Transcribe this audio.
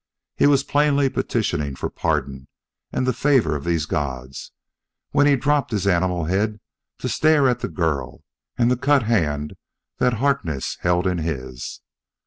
He was plainly petitioning for pardon and the favor of these gods when he dropped his animal head to stare at the girl and the cut hand that Harkness held in his.